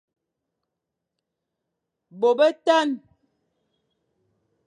Bô betan,